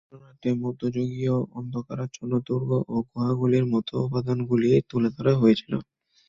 চিত্রনাট্যে মধ্যযুগীয় অন্ধকারাচ্ছন্ন দুর্গ ও গুহাগুলির মতো উপাদানগুলি তুলে ধরা হয়েছিল।